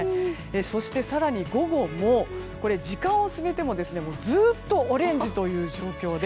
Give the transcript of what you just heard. そして、更に午後も時間を進めてもずっとオレンジという状況で。